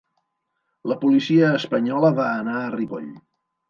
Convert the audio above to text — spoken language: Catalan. La policia espanyola va anar a Ripoll